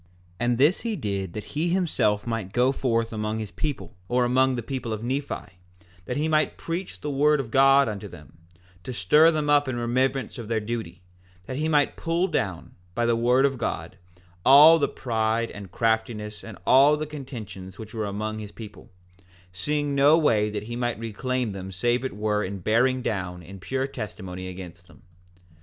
4:19 And this he did that he himself might go forth among his people, or among the people of Nephi, that he might preach the word of God unto them, to stir them up in remembrance of their duty, and that he might pull down, by the word of God, all the pride and craftiness and all the contentions which were among his people, seeing no way that he might reclaim them save it were in bearing down in pure testimony against them.